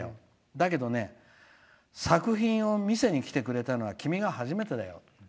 だけどね作品を見せに来てくれたのは君が初めてだよ。